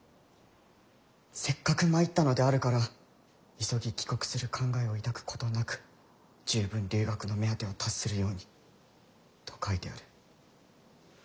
せっかく参ったのであるから急ぎ帰国する考えを抱くことなく十分留学の目当てを達するように」と書いてある。